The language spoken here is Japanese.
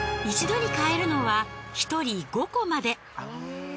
一度に買えるのは１人５個まで。